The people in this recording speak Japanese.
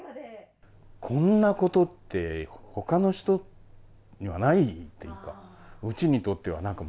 こんなことって、ほかの人にはないというか。